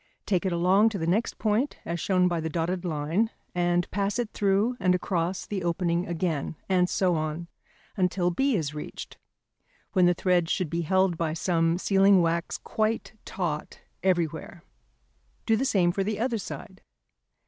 Take it along to the next point, as shown by the dotted line, and pass it through and across the opening again, and so on, until B is reached, when the thread should be held by some sealing wax quite taut everywhere. Do the same for the other side.